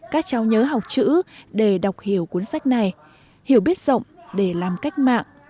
các cháu nhớ học chữ để đọc hiểu cuốn sách này hiểu biết rộng để làm cách mạng